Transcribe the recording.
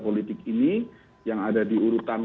politik ini yang ada di urutan